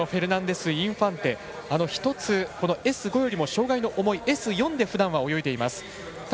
フェルナンデスインファンテ１つ、Ｓ５よりも障害の重いＳ４でふだんは泳いでいます。